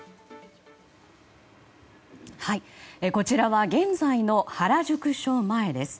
こちらは現在の原宿署前です。